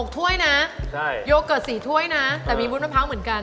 ถ้วยนะโยเกิร์ต๔ถ้วยนะแต่มีวุ้นมะพร้าวเหมือนกัน